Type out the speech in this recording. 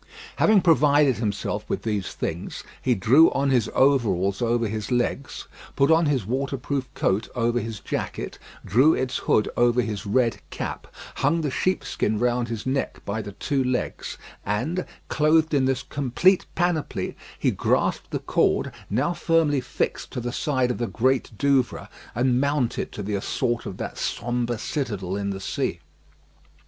Having provided himself with these things, he drew on his overalls over his legs, put on his waterproof coat over his jacket, drew its hood over his red cap, hung the sheepskin round his neck by the two legs, and clothed in this complete panoply, he grasped the cord, now firmly fixed to the side of the Great Douvre, and mounted to the assault of that sombre citadel in the sea.